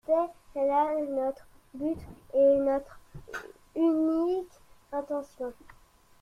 C'était là notre but et notre unique intention.